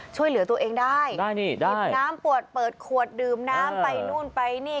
ช่วยเหลือตัวเองได้ได้นี่ได้หยิบน้ำปวดเปิดขวดดื่มน้ำไปนู่นไปนี่